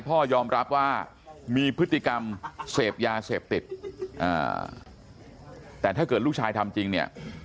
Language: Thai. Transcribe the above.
พ่อยอมรับว่ามีพฤติกรรมเสพยาเสพติดแต่ถ้าเกิดลูกชายทำจริงเนี่ย